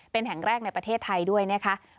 เป็นแห่งแรกในประเทศไทยด้วยนะคะ